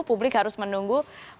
publik harus menunggu